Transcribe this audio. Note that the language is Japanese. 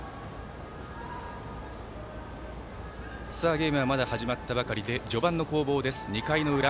ゲームは、まだ始まったばかりで序盤の攻防です、２回の裏。